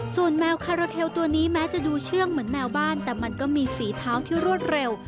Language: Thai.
ส่วนแมวคาราเทลตัวนี้แม้จะดูเชื่องเหมือนแมวบ้านแต่มันก็มีฝีเท้าที่รวดเร็ว